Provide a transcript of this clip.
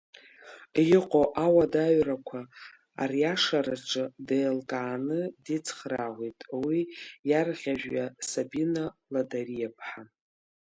Иҟоу ауадаҩрақәа ариашараҿы деилкааны дицхраауеит уи иарӷьажәҩа Сабина Ладариа-ԥҳа.